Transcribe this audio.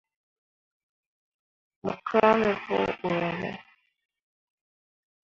Mo kah mo foo ɓe ne.